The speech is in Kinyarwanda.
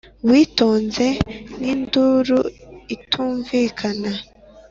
witonze nk'induru itumvikana,